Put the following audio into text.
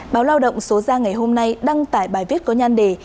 báo lao động số ra ngày hôm nay đăng tải bài viết có nhan đề